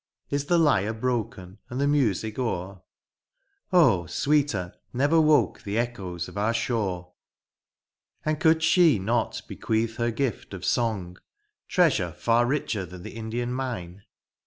Is the lyre broken and the music o'er ? Oh ! sweeter never woke the echoes of our shore. And could she not bequeath her gift of song,— Treasure far richer than the Indian mine